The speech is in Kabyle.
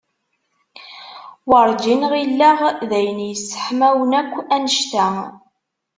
Werǧin ɣilleɣ d ayen yesseḥmawen akk annect-a.